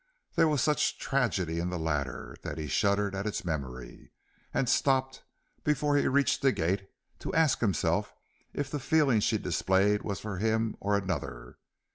There was such tragedy in the latter, that he shuddered at its memory, and stopped before he reached the gate to ask himself if the feeling she displayed was for him or another.